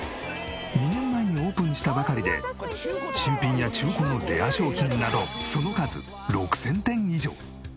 ２年前にオープンしたばかりで新品や中古のレア商品などその数６０００点以上。